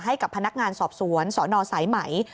ให้กับพนักงานสอบสวนสนสายไหม